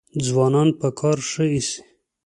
ځوانان په کار ښه ایسي.